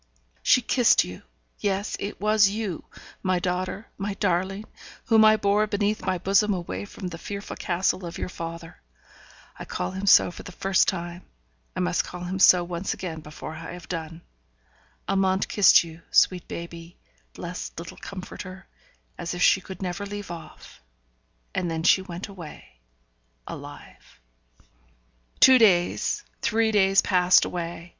She kissed you yes! it was you, my daughter, my darling, whom I bore beneath my bosom away from the fearful castle of your father I call him so for the first time, I must call him so once again before I have done Amante kissed you, sweet baby, blessed little comforter, as if she never could leave off. And then she went away, alive. Two days, three days passed away.